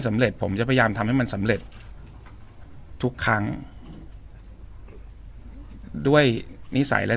ผมจะพยายามทำให้มันสำเร็จทุกครั้งด้วยนิสัยและ